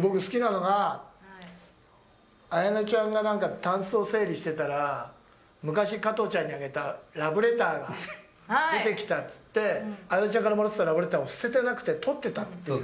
僕、好きなのが綾菜ちゃんがたんすを整理してたら昔、加トちゃんにあげたラブレターが出てきたっつって綾菜ちゃんからもらったラブレターを捨ててなくて取ってたっていう。